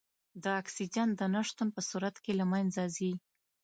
د اکسیجن د نه شتون په صورت کې له منځه ځي.